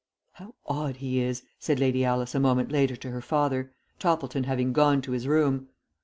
"How odd he is," said Lady Alice a moment later to her father, Toppleton having gone to his room.